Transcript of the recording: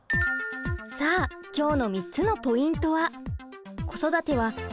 さあ今日の３つのポイントは。